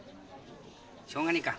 しょうがねえか。